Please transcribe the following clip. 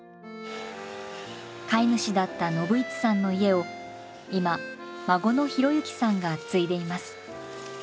飼い主だった信市さんの家を今孫の博之さんが継いでいます。